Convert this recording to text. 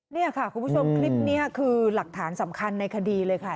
นี่ค่ะคุณผู้ชมคลิปนี้คือหลักฐานสำคัญในคดีเลยค่ะ